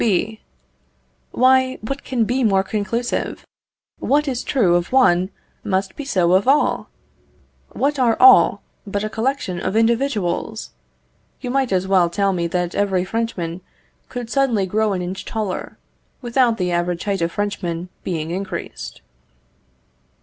B. Why, what can be more conclusive? What is true of one, must be so of all! What are all, but a collection of individuals? You might as well tell me that every Frenchman could suddenly grow an inch taller, without the average height of Frenchmen being increased.